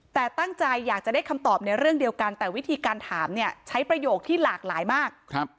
แต่ตั้งใจอยากจะได้คำตอบในเรื่องเดียวกันแต่วิธีการถามเนี่ยใช้ประโยคที่หลากหลายมาก